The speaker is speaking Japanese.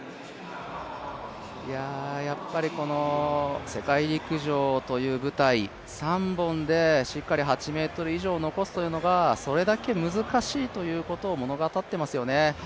やっぱり、世界陸上という舞台、３本でしっかり８ｍ以上残すというのがそれだけ難しいということを物語っていますよね。